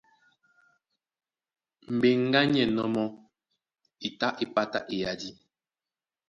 Mbeŋgá ní ɛ̂nnɔ́ mɔ́, e tá é pátá eyadí.